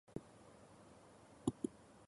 北海道苫小牧市